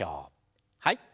はい。